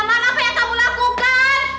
mana apa yang kamu lakukan